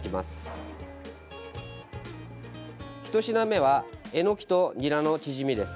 １品目はえのきとにらのチヂミです。